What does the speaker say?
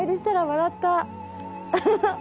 アハハ！